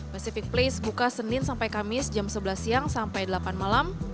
pacific place buka senin sampai kamis jam sebelas siang sampai delapan malam